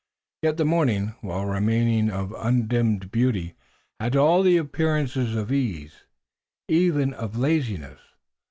Yet the morning, while remaining of undimmed beauty, had all the appearance of ease, even of laziness.